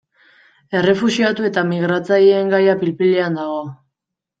Errefuxiatu eta migratzaileen gaia pil-pilean dago.